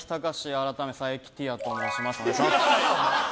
改め佐伯ティアと申します。